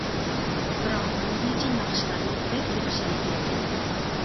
بىراق مىللىيچە ناخشىلارنى بەك ياخشى ئېيتىدىكەن.